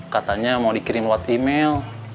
katanya mau dikirim lewat email